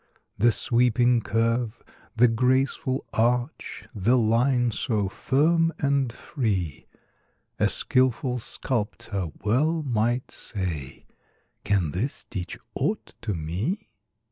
The sweeping curve, the graceful arch, The line so firm and free; A skilful sculptor well might say: "Can this teach aught to me?"